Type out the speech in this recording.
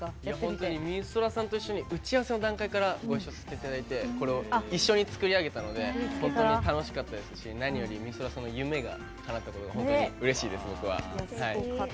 本当にみそらさんと一緒に打ち合わせの段階からご一緒させていただいて一緒に作り上げたので本当に楽しかったですし何より、みそらさんの夢がかなったということでうれしいです、僕は。